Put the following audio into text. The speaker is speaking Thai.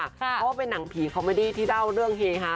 เพราะว่าเป็นหนังผีคอมเมอดี้ที่เล่าเรื่องเฮฮา